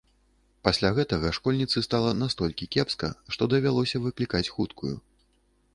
Пасля гэтага школьніцы стала настолькі кепска, што давялося выклікаць хуткую.